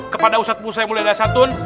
kepada ustadz musa yang mulia dan santun